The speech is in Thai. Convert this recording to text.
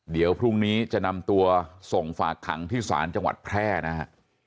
เดี๋ยวพรุ่งนี้จะนำตัวส่งฝากขังที่ศาลจังหวัดแพร่นะฮะ